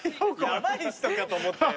ヤバい人かと思ったよ。